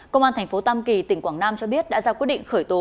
công an thành phố tam kỳ tỉnh quảng nam cho biết đã ra quyết định khởi tố